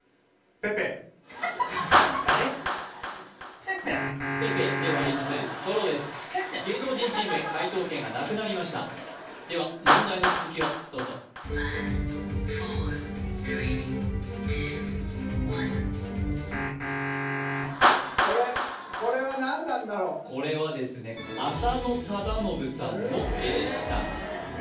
ペペではありませんドローです芸能人チーム解答権がなくなりましたでは問題の続きをどうぞこれは何なんだろうこれはですね浅野忠信さんの絵でした